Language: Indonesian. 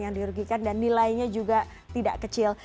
yang dirugikan dan nilainya juga tidak kecil